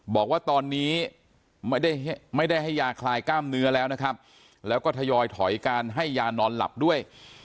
บอกว่าตอนนี้ไม่ได้ให้ยาคลายกล้ามเนื้อแล้วนะครับแล้วก็ทยอยถอยการให้ยานอนหลับด้วย